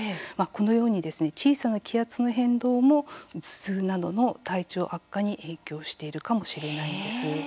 このように小さな気圧の変動も頭痛などの体調悪化に影響しているかもしれないんです。